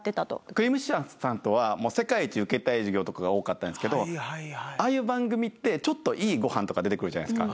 くりぃむしちゅーさんとは『世界一受けたい授業』とかが多かったんですけどああいう番組ってちょっといいご飯とか出てくるじゃないですか。